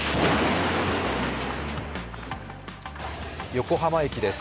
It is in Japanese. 横浜駅です。